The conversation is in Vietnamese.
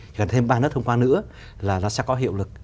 chỉ cần thêm ba nước thông qua nữa là nó sẽ có hiệu lực